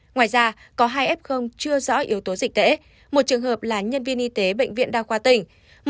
ngoài ra có hai f chưa rõ yếu tố dịch tễ một trường hợp là nhân viên y tế bệnh viện đa khoa tỉnh